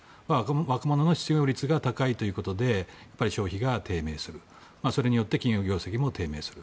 若者の失業率が高いということで消費が低迷する、それによって企業業績も低迷する。